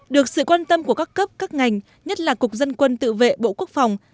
được sự quan tâm của các cấp các ngành nhất là cục dân quân tự vệ bộ quốc phòng